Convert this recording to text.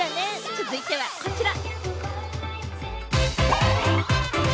続いてはこちら。